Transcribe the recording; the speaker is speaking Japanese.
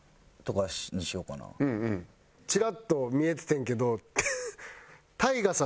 チラッと見えててんけど。